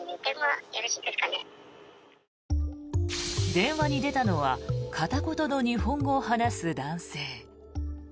電話に出たのは片言の日本語を話す男性。